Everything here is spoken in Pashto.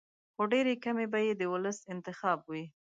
خو ډېرې کمې به یې د ولس انتخاب وي.